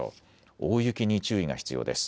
大雪に注意が必要です。